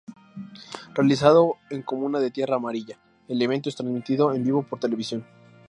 Realizado en comuna de Tierra Amarilla, el evento es transmitido en vivo por televisión.